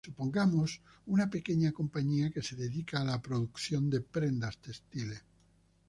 Supongamos una pequeña compañía que se dedica a la producción de prendas textiles.